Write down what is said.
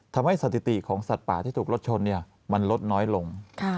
ทำให้สถิติของสัตว์ป่าที่ถูกลดชนเนี่ยมันลดน้อยลง